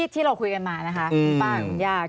ที่เราคุยกันมานะคะบางอย่าง